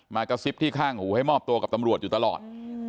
กระซิบที่ข้างหูให้มอบตัวกับตำรวจอยู่ตลอด